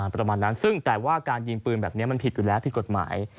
ประมาณนั้นซึ่งแต่ว่าการยิงปืนแบบนี้มันผิดอยู่แล้วผิดกฎหมาย